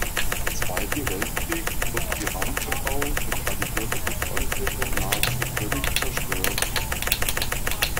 Im Zweiten Weltkrieg wurde die Randbebauung durch alliierte Luftangriffe nahezu völlig zerstört.